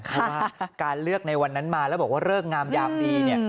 ว่าการเลือกในวันนั้นมาแล้วบอกว่าเริกงามยามดี